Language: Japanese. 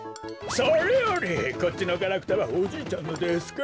それよりこっちのガラクタはおじいちゃんのですか？